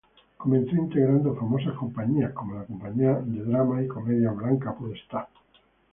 Comenzó integrando famosas compañías como la "Compañía de Dramas y Comedias Blanca Podestá".